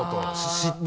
知ってる？